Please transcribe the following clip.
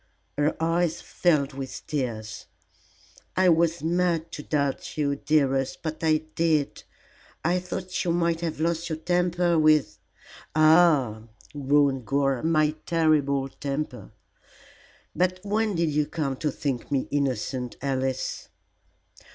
Her eyes filled with tears. "I was mad to doubt you, dearest, but I did. I thought you might have lost your temper with " "Ah!" groaned Gore, "my terrible temper. But when did you come to think me innocent, Alice?"